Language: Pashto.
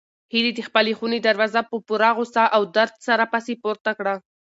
هیلې د خپلې خونې دروازه په پوره غوسه او درد سره پسې پورته کړه.